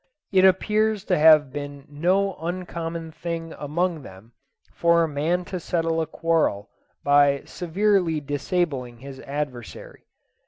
It appears to have been no uncommon thing among them for a man to settle a quarrel by severely disabling his adversary.